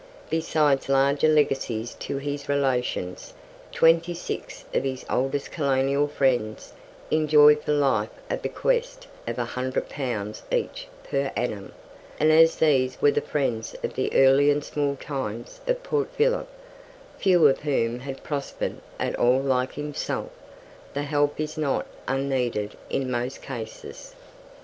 Besides larger legacies to his relations, twenty six of his oldest colonial friends enjoy for life a bequest of 100 pounds each per annum, and as these were the friends of the early and small times of Port Phillip, few of whom had prospered at all like himself, the help is not unneeded in most cases.